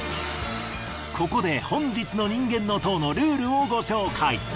ここで本日の人間の塔のルールをご紹介。